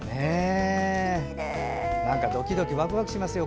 ドキドキワクワクしますよ。